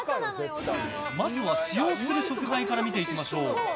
まずは、使用する食材から見ていきましょう。